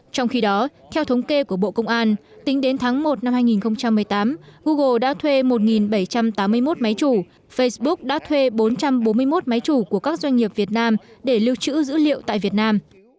trong khi đó theo thống kê của bộ công an tính đến tháng một năm hai nghìn một mươi tám google đã thuê một bảy trăm tám mươi một máy chủ facebook đã thuê bốn trăm bốn mươi một máy chủ của các doanh nghiệp việt nam để lưu trữ dữ liệu tại việt nam